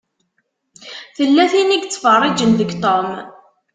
Tella tin i yettfeṛṛiǧen deg Tom.